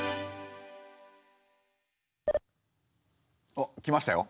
あっ来ましたよ。